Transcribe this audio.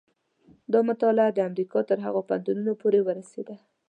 دا مطالعه د امریکا تر پوهنتونونو پورې ورسېده.